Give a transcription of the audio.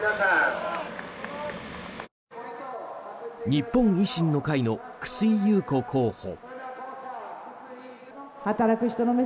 日本維新の会の楠井祐子候補。